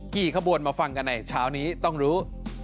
กี่ขบวนมาฟังกันไหนชาวนี้ต้องรู้